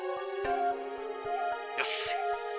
よし。